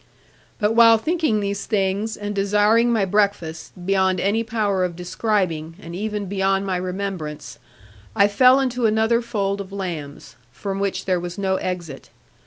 But while thinking these things, and desiring my breakfast, beyond any power of describing, and even beyond my remembrance, I fell into another fold of lambs, from which there was no exit.